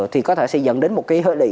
thì có thể sẽ dẫn đến một cái hệ lị